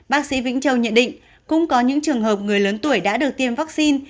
bác sĩ vĩnh châu nhận định cũng có những trường hợp người lớn tuổi đã được tiêm vaccine